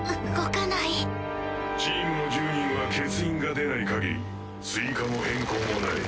チームの１０人は欠員が出ないかぎり追加も変更もない。